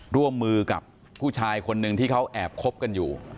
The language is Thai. ร่วมมือกับผู้ชายคนหนึ่งที่เขาแอบคบกันอยู่